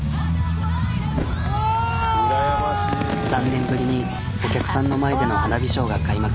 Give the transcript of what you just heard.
３年ぶりにお客さんの前での花火ショーが開幕。